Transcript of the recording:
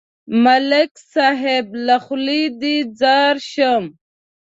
ملک صاحب، له خولې دې ځار شم.